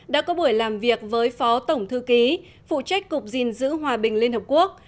đã có buổi làm việc với phó tổng thư ký phụ trách cục gìn giữ hòa bình liên hợp quốc